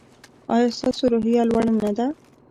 ایا ستاسو روحیه لوړه نه ده؟